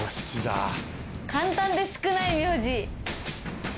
簡単で少ない名字。